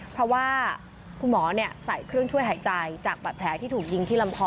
เพราะว่าคุณหมอใส่เครื่องช่วยหายใจจากบาดแผลที่ถูกยิงที่ลำคอ